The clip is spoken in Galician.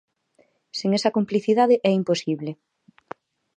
Sen esa complicidade é imposible.